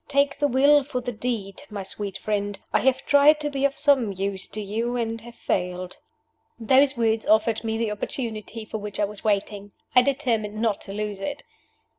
Take the will for the deed, my sweet friend. I have tried to be of some use to you and have failed." Those words offered me the opportunity for which I was waiting. I determined not to lose it.